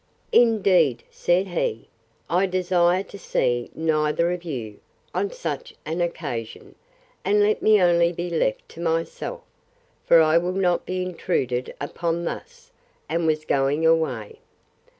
Indeed, said he, I desire to see neither of you, on such an occasion; and let me only be left to myself, for I will not be intruded upon thus; and was going away.